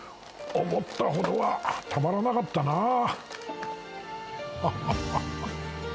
思ったほどはたまらなかったな